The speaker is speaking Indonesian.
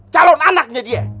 calon anaknya dia